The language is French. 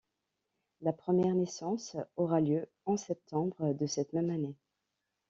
La première naissance aura lieu en septembre de cette même année.